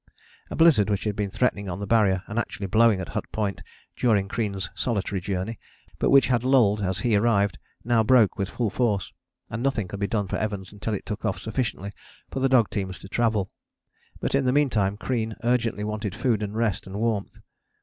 A blizzard which had been threatening on the Barrier, and actually blowing at Hut Point, during Crean's solitary journey, but which had lulled as he arrived, now broke with full force, and nothing could be done for Evans until it took off sufficiently for the dog teams to travel. But in the meantime Crean urgently wanted food and rest and warmth.